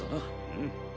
うん。